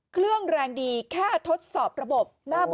เครื่องแรงดีแค่ทดสอบระบบหน้า